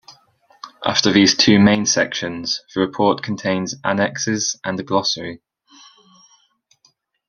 After these two main sections, the report contains Annexes and a Glossary.